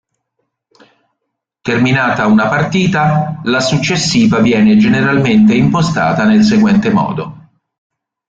Terminata una partita, la successiva viene generalmente impostata nel seguente modo.